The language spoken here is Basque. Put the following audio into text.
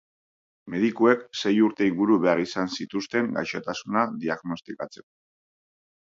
Medikuek sei urte inguru behar izan zituzten gaixotasuna diagnostikatzeko.